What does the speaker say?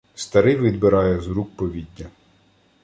Старий відбирає з рук повіддя.